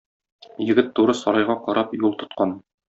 Егет туры сарайга карап юл тоткан.